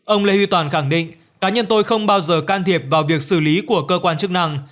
ông lê huy toàn khẳng định cá nhân tôi không bao giờ can thiệp vào việc xử lý của cơ quan chức năng